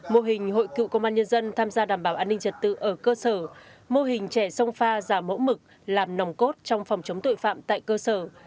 mô hình hội cựu công an nhân dân tham gia đảm bảo an ninh trật tự ở cơ sở mô hình trẻ sông pha giả mẫu mực làm nòng cốt trong phòng chống tội phạm tại cơ sở